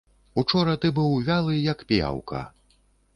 Учора ты быў вялы, як п'яўка.